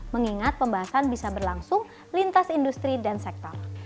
mengingat pembahasan bisa berlangsung lintas industri dan sektor